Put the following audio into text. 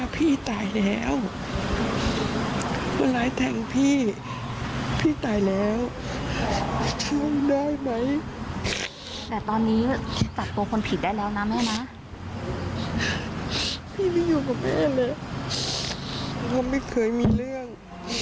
พี่ไม่อยู่กับแม่เลยเพราะว่าไม่เคยมีเรื่อง